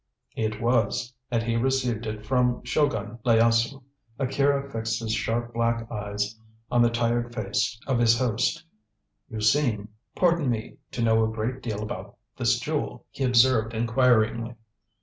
"It was; and he received it from Shogun Ieyasu." Akira fixed his sharp black eyes on the tired face of his host. "You seem pardon me to know a great deal about this jewel," he observed inquiringly.